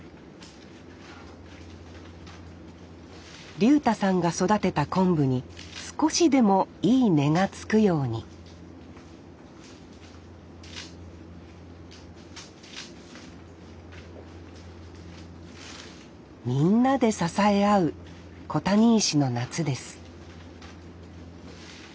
竜太さんが育てた昆布に少しでもいい値がつくようにみんなで支え合う小谷石の夏です